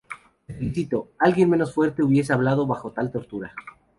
Te felicito. Alguien menos fuerte hubiese hablado bajo tal tortura.